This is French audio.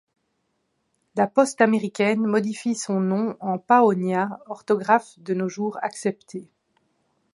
La poste américaine modifie son nom en Paonia, orthographe de nos jours acceptée.